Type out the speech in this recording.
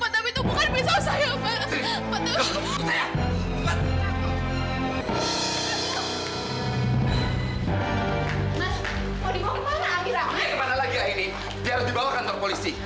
dia dibawa kantor polisi